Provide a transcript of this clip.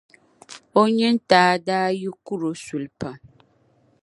o nyintaa daa yi kur’ o suli pam.